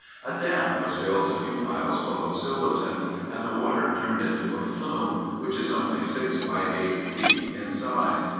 A dam was built a few miles below Silverton, and the water turned into a flume which is only six by eight feet in size.